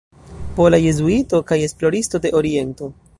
Pola jezuito kaj esploristo de Oriento.